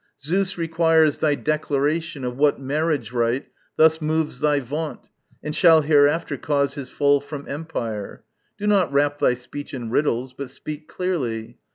Zeus requires Thy declaration of what marriage rite Thus moves thy vaunt and shall hereafter cause His fall from empire. Do not wrap thy speech In riddles, but speak clearly!